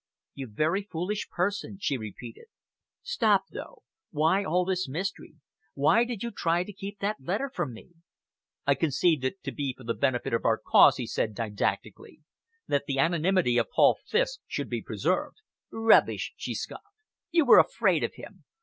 "You very foolish person," she repeated. "Stop, though. Why all this mystery? Why did you try to keep that letter from me?" "I conceived it to be for the benefit of our cause," he said didactically, "that the anonymity of 'Paul Fiske' should be preserved." "Rubbish!" she scoffed. "You were afraid of him.